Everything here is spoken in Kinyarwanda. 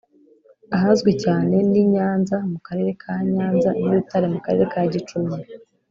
ahazwi cyane ni Nyanza mu karere ka Nyanza n’i Rutare mu karere ka Gicumbi